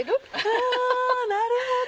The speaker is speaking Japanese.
あなるほど。